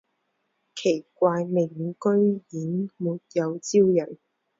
奇怪，微软居然没有招人